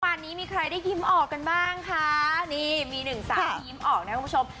วันนี้มีใครได้ยิ้มออกกันบ้างค่ะนี่มีหนึ่งสาวที่ยิ้มออกนะคุณผู้ชม